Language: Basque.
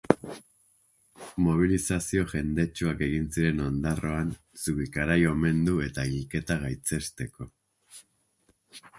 Mobilizazio jendetsuak egin ziren Ondarroan Zubikarai omendu eta hilketa gaitzesteko.